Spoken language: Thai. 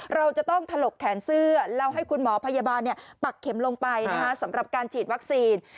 เราจะต้องถลกแขนเสื้อแล้วให้คุณหมอพยาบาลปักเข็มลงไปสำหรับการฉีดวัคซีน